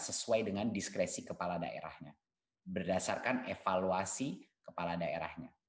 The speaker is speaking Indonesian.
sesuai dengan diskresi kepala daerahnya berdasarkan evaluasi kepala daerahnya